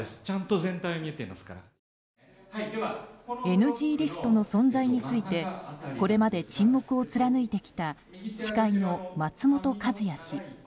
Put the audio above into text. ＮＧリストの存在についてこれまで沈黙を貫いてきた司会の松本和也氏。